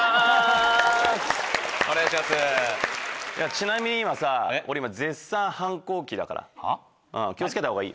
ちなみに今さ俺絶賛反抗期だから気を付けたほうがいい。